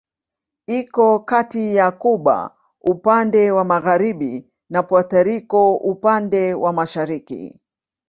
Iko kati ya Kuba upande wa magharibi na Puerto Rico upande wa mashariki.